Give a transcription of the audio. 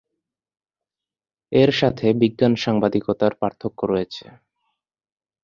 এর সাথে বিজ্ঞান সাংবাদিকতার পার্থক্য রয়েছে।